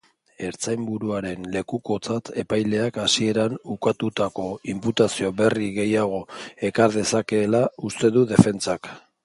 Ertzainburuaren lekukotzak epaileak hasieran ukatutako inputazio berri gehiago ekar dezakeela uste du defentsak.